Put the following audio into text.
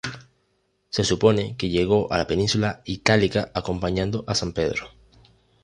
Se supone que llegó a la península itálica acompañando a san Pedro.